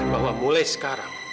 bahwa mulai sekarang